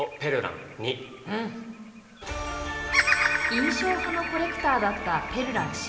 印象派のコレクターだったペルラン氏。